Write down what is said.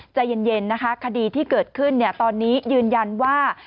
ใจเย็นนะคะคดีที่เกิดขึ้นตอนนี้ยืนยันว่า